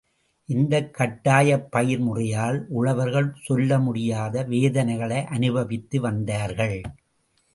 இந்தக் கட்டாயப் பயிர் முறையால் உழவர்கள் சொல்ல முடியாத வேதனைகளை அனுபவித்து வந்தார்கள்.